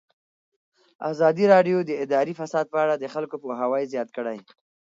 ازادي راډیو د اداري فساد په اړه د خلکو پوهاوی زیات کړی.